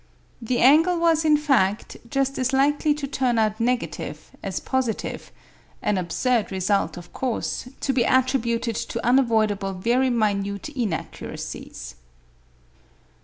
The angle was, in fact, just as likely to turn out negative as positive an absurd result, of course, to be attributed to unavoidable very minute inaccuracies.